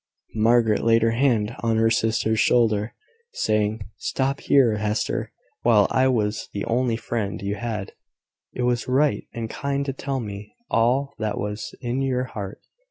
Margaret laid her hand on her sister's shoulder, saying, "Stop here, Hester! While I was the only friend you had, it was right and kind to tell me all that was in your heart.